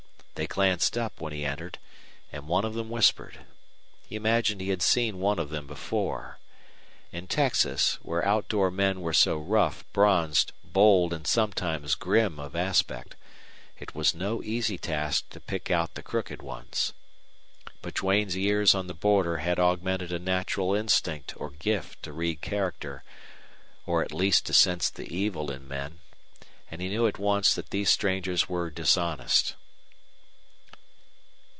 They glanced up when he entered, and one of them whispered. He imagined he had seen one of them before. In Texas, where outdoor men were so rough, bronzed, bold, and sometimes grim of aspect, it was no easy task to pick out the crooked ones. But Duane's years on the border had augmented a natural instinct or gift to read character, or at least to sense the evil in men; and he knew at once that these strangers were dishonest.